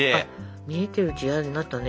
見えてるちやになったね。